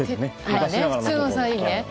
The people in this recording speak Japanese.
普通のサインね。